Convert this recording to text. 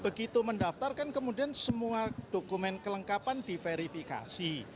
begitu mendaftarkan kemudian semua dokumen kelengkapan diverifikasi